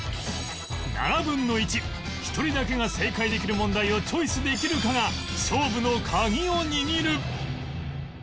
７分の１１人だけが正解できる問題をチョイスできるかが勝負のカギを握る